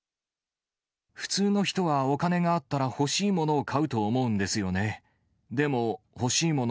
普通の人はお金があったら欲しいものを買うと思うんですよね。